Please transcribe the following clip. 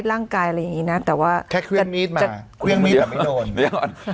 ร่างกายอะไรอย่างงี้น่ะแต่ว่าแค่เครื่องมีดมาเดี๋ยวไม่โดนเดี๋ยวก่อน